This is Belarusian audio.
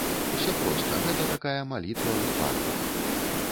Усё проста, гэта такая малітва ў фарбах.